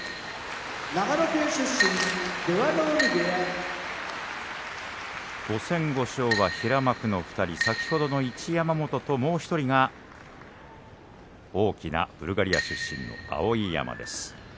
長野県出身出羽海部屋５戦５勝は平幕の２人先ほどの一山本と、もう１人が大きなブルガリア出身の碧山です。